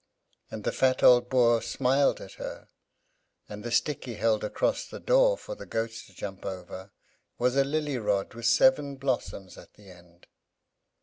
And the fat old Boer smiled at her; and the stick he held across the door, for the goats to jump over, was a lily rod with seven blossoms at the end.